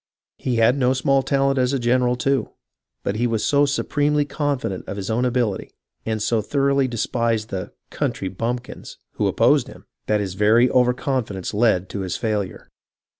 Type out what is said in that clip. He had no small talent as a general, too, but he was so supremely confident of his own ability, and so thoroughly despised the " country bumpkins " who opposed him, that his very over confidence led to his failure.